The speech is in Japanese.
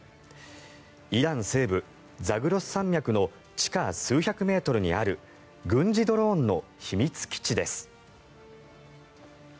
イラン西部、ザグロス山脈の地下数百メートルにある軍事ドローンの秘密基地です。